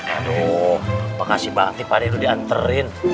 aduh makasih banget nih pak de udah dianterin